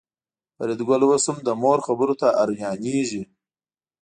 فریدګل اوس هم د مور خبرو ته حیرانېږي